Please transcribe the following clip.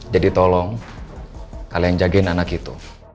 jadi tolong kalian jagain anak itu